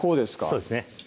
そうですね